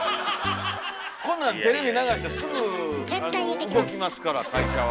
こんなんテレビ流したらすぐ動きますから会社は。